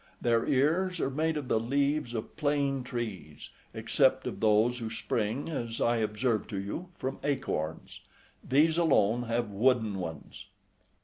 Their ears are made of the leaves of plane trees, except of those who spring, as I observed to you, from acorns, these alone have wooden ones.